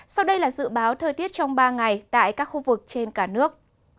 sau đây là dự báo thời tiết trong ba ngày tại các khu vực trên cả nước